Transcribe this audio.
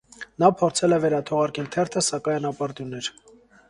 Նա փորձել է վերաթողարկել թերթը, սակայն ապարդյուն էր։